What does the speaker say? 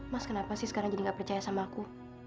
mas kenapa sih sekarang jadi gak percaya sama aku